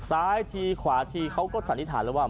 ซ้ายทีขวาทีเขาก็สันนิษฐานแล้วว่า